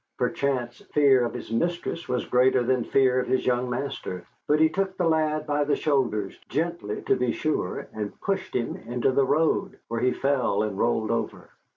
Perchance fear of his mistress was greater than fear of his young master; but he took the lad by the shoulders gently, to be sure and pushed him into the road, where he fell and rolled over.